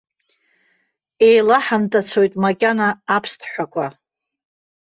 Еилаҳантацәоит макьана аԥсҭҳәақәа.